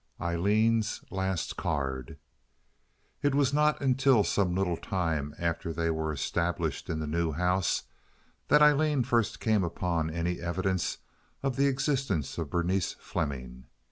Aileen's Last Card It was not until some little time after they were established in the new house that Aileen first came upon any evidence of the existence of Berenice Fleming.